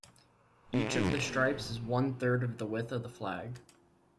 Each of the stripes is one-third of the width of the flag.